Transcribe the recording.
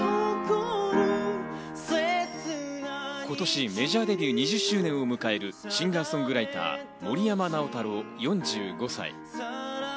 今年メジャーデビュー２０周年を迎えるシンガー・ソングライター、森山直太朗、４５歳。